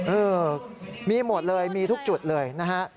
เออมีหมดเลยมีทุกจุดเลยนะฮะ